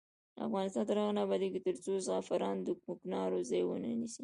افغانستان تر هغو نه ابادیږي، ترڅو زعفران د کوکنارو ځای ونه نیسي.